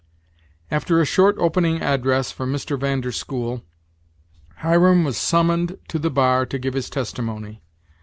After a short opening address from Mr. Van der School, Hiram was summoned to the bar to give his testimony.